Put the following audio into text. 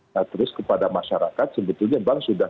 nah terus kepada masyarakat sebetulnya bank sudah